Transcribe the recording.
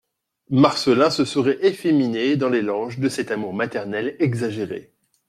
Marcelin se serait efféminé dans les langes de cet amour maternel exagéré.